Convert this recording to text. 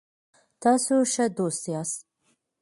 تاسو ښه دوست یاست